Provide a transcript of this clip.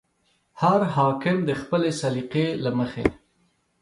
هر حاکم د خپلې سلیقې له مخې.